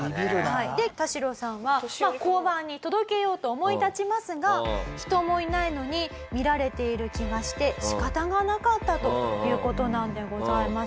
でタシロさんは交番に届けようと思い立ちますが人もいないのに見られている気がして仕方がなかったという事なんでございます。